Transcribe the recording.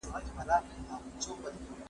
هیواد به ښه اقتصادي خوځښت تجربه کړی وي.